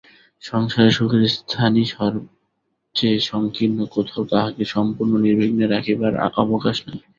সংসারে সুখের স্থানই সবচেয়ে সংকীর্ণ–কোথাও তাহাকে সম্পূর্ণ নির্বিঘ্নে রাখিবার অবকাশ নাই।